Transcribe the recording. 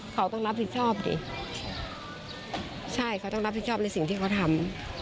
เขาต้องรับผิดชอบดิใช่เขาต้องรับผิดชอบในสิ่งที่เขาทำ